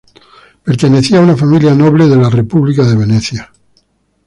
Pertenecía a una familia noble de la República de Venecia.